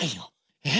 えっ？